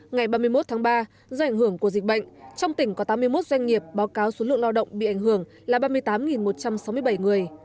ngày ba mươi một tháng ba do ảnh hưởng của dịch bệnh trong tỉnh có tám mươi một doanh nghiệp báo cáo số lượng lo động bị ảnh hưởng là ba mươi tám một trăm sáu mươi bảy người